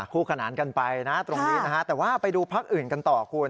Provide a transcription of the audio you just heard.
คู่ขนานกันไปนะตรงนี้นะฮะแต่ว่าไปดูพักอื่นกันต่อคุณ